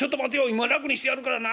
今楽にしてやるからな』